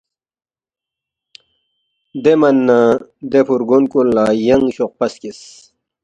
دے من نہ دے فُورگون کُن لہ ینگ شوقپہ سکیس